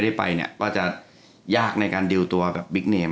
ว่าทีมที่ไม่ได้ไปก็จะยากในการดีลตัวกับบิ๊กเนม